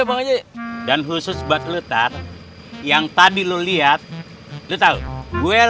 bang aja dan khusus buat lu tar yang tadi lu lihat lu tahu gue lagi merencanai mau